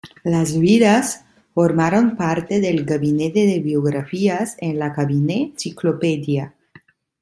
Las "Vidas" formaron parte del "Gabinete de Biografías" en la "Cabinet Cyclopaedia".